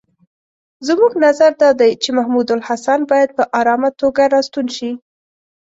زموږ نظر دا دی چې محمودالحسن باید په آرامه توګه را ستون شي.